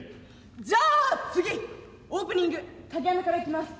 じゃあ次オープニング影アナからいきます。